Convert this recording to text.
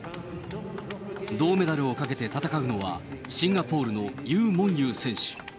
銅メダルをかけて戦うのは、シンガポールのユー・モンユー選手。